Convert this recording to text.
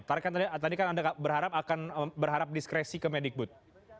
tadi kan anda berharap diskresi ke medic booth